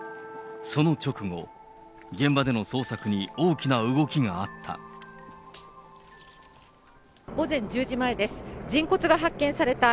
その直後、現場での捜索に大きな動きがあった。